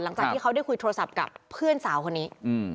หลังจากที่เขาได้คุยโทรศัพท์กับเพื่อนสาวคนนี้